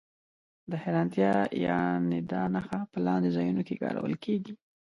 د حېرانتیا یا ندا نښه په لاندې ځایونو کې کارول کیږي.